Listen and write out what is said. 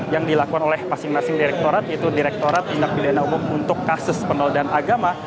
yang dilakukan oleh masing masing direkturat yaitu direktorat tindak pidana umum untuk kasus penodaan agama